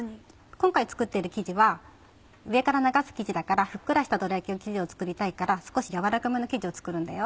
今回作ってる生地は上から流す生地だからふっくらしたどら焼きの生地を作りたいから少しやわらかめの生地を作るんだよ。